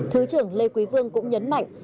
thứ trưởng lê quý vương cũng nhấn mạnh